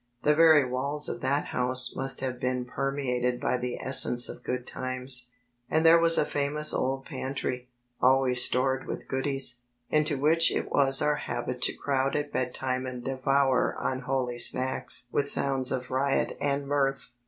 The very walls of that house must have been permeated by the essence of good times. And there was a famous old pantry, always stored with goodies, into which it was our habit to crowd at bedtime and devour unholy snacks with sounds of riot and mirth.